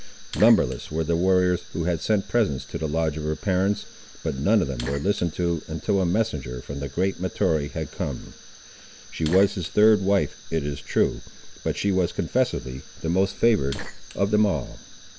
Numberless were the warriors, who had sent presents to the lodge of her parents, but none of them were listened to until a messenger from the great Mahtoree had come. She was his third wife, it is true, but she was confessedly the most favoured of them all.